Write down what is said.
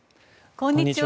こんにちは。